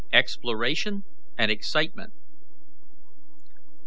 EXPLORATION AND EXCITEMENT.